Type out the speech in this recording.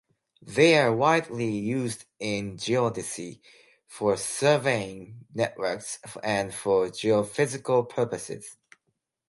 They are widely used in geodesy, for surveying networks and for geophysical purposes.